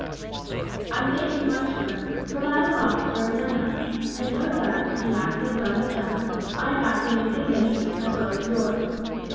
"I thank you much, Prince; but I am an officer of Nana, and know that, in acting as I have done, I am acting in his interest, as well as yours.